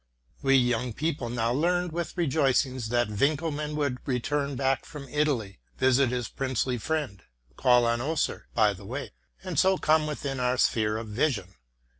We young people now learned with rejoicings that Winckel mann would return back from Italy, visit his princely friend. call on Oeser by the way, and so come within our sphere of vision.